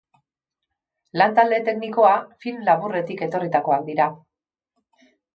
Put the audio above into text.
Lan talde teknikoa film laburretik etorritakoak dira.